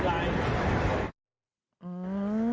พวกสังหารไปแล้วว่าไม่ทำ